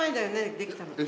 できたの。